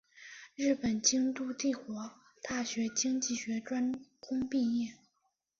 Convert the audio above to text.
日本京都帝国大学经济学专攻毕业。